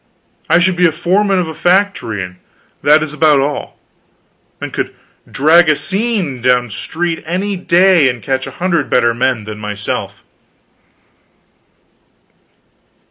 I should be foreman of a factory, that is about all; and could drag a seine down street any day and catch a hundred better men than myself.